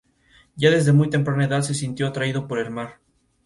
Ya desde muy temprana edad se sintió atraído por el mar.